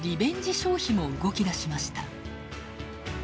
消費も動きだしました。